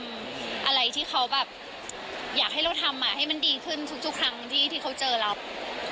อยากให้เราทำอ่ะให้มันดีขึ้นทุกครั้งที่เขาเจอเรา